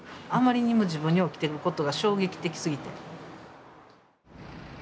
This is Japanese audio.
あまりにも自分に起きていることが衝撃的すぎて。